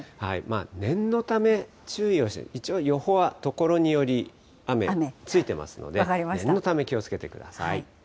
念のため、注意をして、一応予報はところにより雨、ついてますので、念のため、気をつけてください。